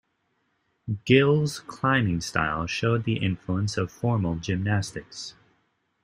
Gill's climbing style showed the influence of formal gymnastics.